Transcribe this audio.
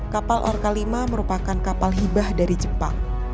kapal orka lima merupakan kapal hibah dari jepang